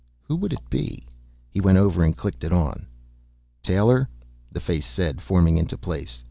Who would it be? He went over and clicked it on. "Taylor?" the face said, forming into place.